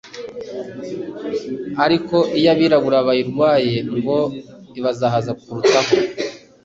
ariko iyo abirabura bayirwaye ngo ibazahaza kurutaho